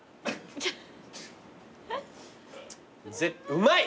うまい！